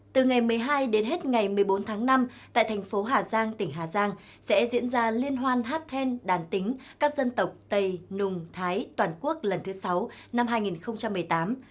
từ ngày một mươi hai đến hết ngày một mươi bốn tháng năm tại thành phố hà giang tỉnh hà giang sẽ diễn ra liên hoan hát then đàn tính các dân tộc tây nùng thái toàn quốc lần thứ sáu năm hai nghìn một mươi tám